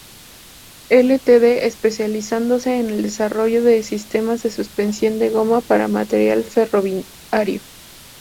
Ltd, especializándose en el desarrollo de sistemas de suspensión de goma para material ferroviario.